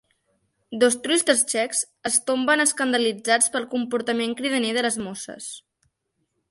Dos turistes txecs es tomben, escandalitzats pel comportament cridaner de les mosses.